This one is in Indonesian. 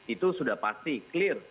itu sudah pasti clear